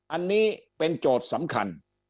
อันนี้เป็นโจทย์สำคัญ